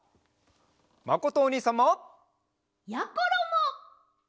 まことおにいさんも！やころも！